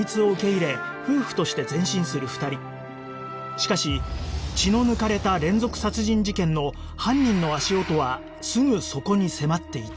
しかし血の抜かれた連続殺人事件の犯人の足音はすぐそこに迫っていた